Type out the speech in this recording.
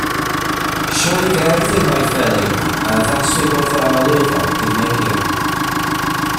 Sioe gerdd yw My Fair Lady a addaswyd o'r ddrama lwyfan Pygmalion.